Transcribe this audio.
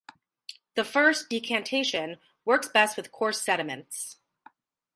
The first, decantation, works best with coarse sediments.